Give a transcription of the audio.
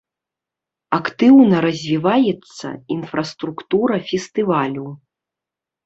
Актыўна развіваецца інфраструктура фестывалю.